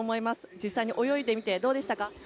実際に泳いでみてどうでしたか？